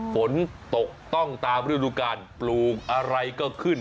ฝนตกต้องตามฤดูการปลูกอะไรก็ขึ้น